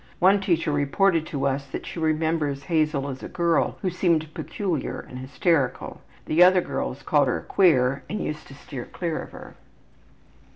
One teacher reported to us that she remembers Hazel as a girl who seemed peculiar and hysterical. The other girls called her queer and used to steer clear of her.